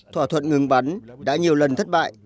thỏa thuận ngừng bắn đã nhiều lần thất bại